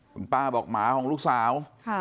คุณป้าบอกหมาของลูกสาว